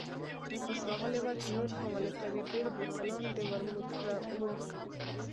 اوس راغلې وه چې نور هم ولټوي، ډېری بوتلان د ورموت وو.